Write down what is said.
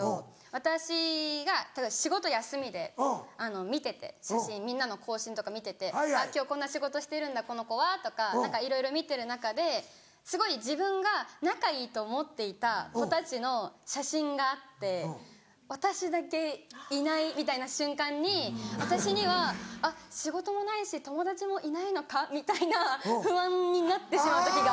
私が例えば仕事休みで見てて写真みんなの更新とか見てて「あっ今日こんな仕事してるんだこの子は」とか何かいろいろ見てる中ですごい自分が仲いいと思っていた子たちの写真があって私だけいないみたいな瞬間に私にはあっ仕事もないし友達もいないのかみたいな不安になってしまう時が。